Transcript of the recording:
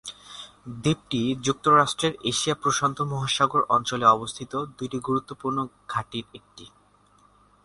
দ্বীপটি যুক্তরাষ্ট্রের এশিয়া প্রশান্ত মহাসাগর অঞ্চলে অবস্থিত দুইটি গুরুত্বপূর্ণ ঘাঁটির একটি।